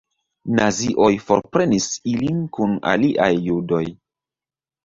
Nazioj forprenis ilin kun aliaj judoj.